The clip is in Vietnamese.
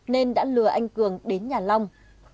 nên đã lừa anh cường đến nhà long